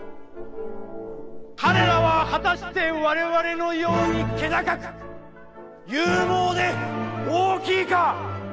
彼らは果たしてわれわれのように気高く、勇猛で、大きいか？